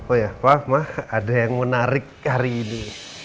oh ya pak mak ada yang menarik hari ini